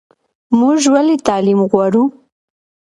موږ ولې تعلیم غواړو؟